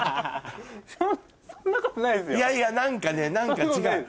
いやいや何かね何か違う。